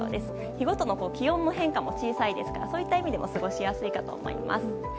日ごとの気温の変化も小さいですからそういった意味でも過ごしやすいと思います。